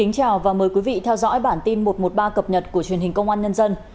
chào mừng quý vị đến với bản tin một trăm một mươi ba cập nhật của truyền hình công an nhân dân